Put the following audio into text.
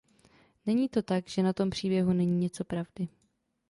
Není to tak, že na tom příběhu není něco pravdy.